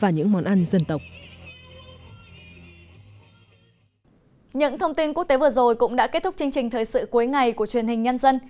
những thông tin quốc tế vừa rồi cũng đã kết thúc chương trình thời sự cuối ngày của truyền hình nhân dân